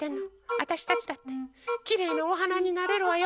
わたしたちだってきれいなおはなになれるわよ！